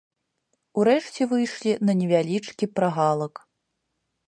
Урэшце выйшлі на невялічкі прагалак.